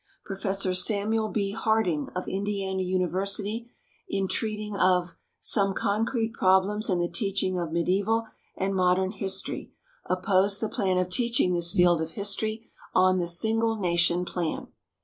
Professor Samuel B. Harding, of Indiana University, in treating of "Some Concrete Problems in the Teaching of Medieval and Modern History," opposed the plan of teaching this field of history on the "single nation" plan.